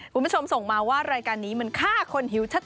คุณผู้ชมส่งมาว่ารายการนี้มันฆ่าคนหิวชัด